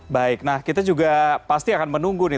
baik nah kita juga pasti akan menunggu nih